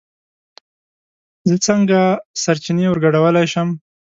زه څنگه سرچينې ورگډولی شم